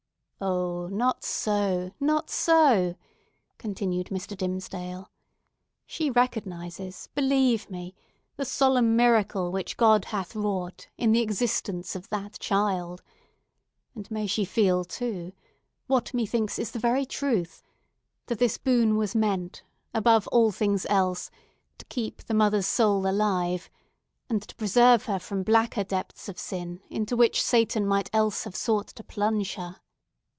"Oh, not so!—not so!" continued Mr. Dimmesdale. "She recognises, believe me, the solemn miracle which God hath wrought in the existence of that child. And may she feel, too—what, methinks, is the very truth—that this boon was meant, above all things else, to keep the mother's soul alive, and to preserve her from blacker depths of sin into which Satan might else have sought to plunge her!